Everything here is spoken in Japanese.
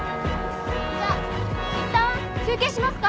じゃあいったん休憩しますか。